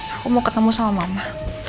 aku mau ketemu sama mama